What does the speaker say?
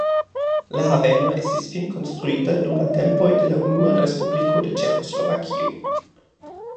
La haveno estis finkonstruita dum la tempoj de la Unua respubliko de Ĉeĥoslovakio.